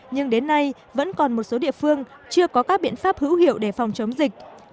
nhưng đến nay vẫn còn một số địa phương chưa có các biện pháp hữu hiệu để phòng chống dịch